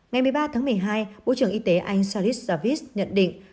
ngày một mươi ba tháng một mươi hai bộ trưởng y tế anh charlie savitz nhận định